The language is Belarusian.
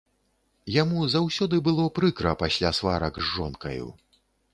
Яму заўсёды было прыкра пасля сварак з жонкаю.